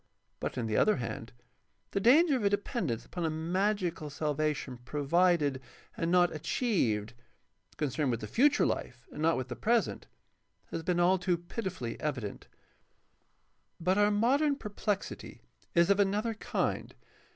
But, on the other hand, the danger of a dependence upon a magical salvation pro vided and not achieved, concerned with the future life and not with the present, has been all too pitifully evident. But our modem perplexity is of another kind.